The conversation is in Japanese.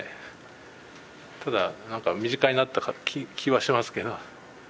ただなんか身近になった気はしますけど。